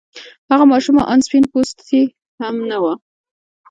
هغه ماشومه آن سپين پوستې هم نه وه.